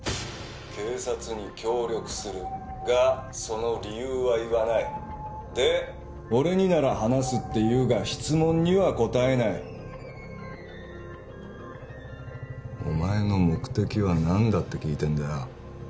警察に協力するがその理由は言わないで俺になら話すって言うが質問には答えないお前の目的は何だって聞いてんだよ